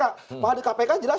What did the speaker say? bahwa di kpk jelas